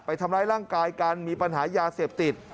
ทำร้ายร่างกายกันมีปัญหายาเสพติด